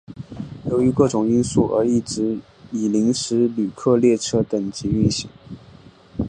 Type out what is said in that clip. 由于各种因素而一直以临时旅客列车等级运行。